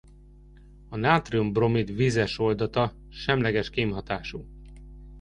A nátrium-bromid vizes oldata semleges kémhatású.